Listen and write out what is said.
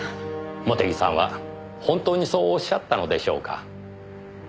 茂手木さんは本当にそう仰ったのでしょうか？